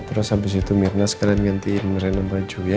terus abis itu mirna sekarang ngantiin reina baju ya